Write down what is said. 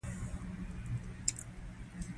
تراژیدي دا نه ده چې یوازې یاست پوه شوې!.